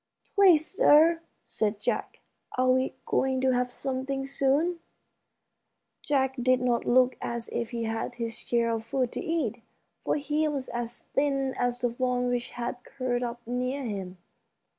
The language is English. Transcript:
"Please, sir," said Jack, "are we going to have something soon?" Jack did not look as if he had his share of food to eat, for he was as thin as the fawn which had curled up near him.